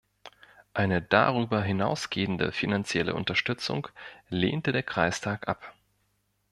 Eine darüber hinausgehende finanzielle Unterstützung lehnte der Kreistag ab.